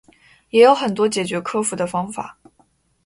也有很多解决克服的方法